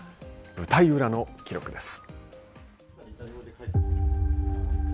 舞台裏の記録です。